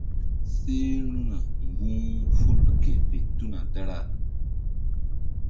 Seru̧na mbu̧h ful ke fe tuna dara.